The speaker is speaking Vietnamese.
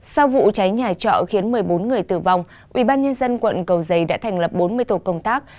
sau vụ cháy nhà trọ khiến một mươi bốn người tử vong ủy ban nhân dân quận cầu giấy đã thành lập bốn mươi tổ công tác